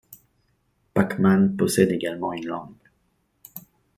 Pac-Man possède également une langue.